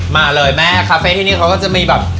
มาเลยแม่คาเฟ่ที่นี่เขาก็จะมีแบบ